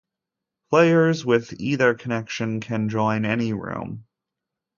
Players with either connection can join any room.